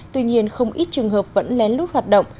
tuy nhiên không ít trường hợp vẫn lén lút hoạt động